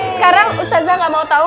sekarang ustazah gak mau tau